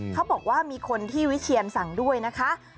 เขาบอกว่ามีคนที่วิเชียนสั่งด้วยนะคะ